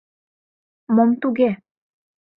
— Мом туге?